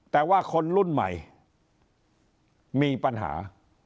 แต่ว่าคนรุ่นใหม่มีปัญหา